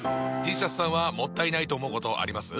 Ｔシャツさんはもったいないと思うことあります？